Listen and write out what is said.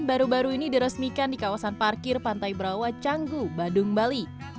baru baru ini diresmikan di kawasan parkir pantai berawa canggu badung bali